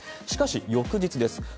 しかし翌日です。